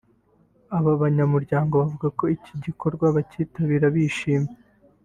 Aba banyamuryango bavuga ko iki gikorwa bakitabira bishimye